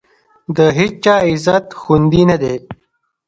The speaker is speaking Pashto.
د هېچا عزت خوندي نه دی.